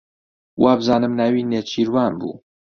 وابزانم ناوی نێچیروان بوو.